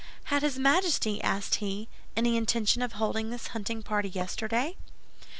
"Had his Majesty," asked he, "any intention of holding this hunting party yesterday?"